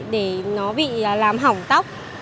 để nó bị làm hỏng tóc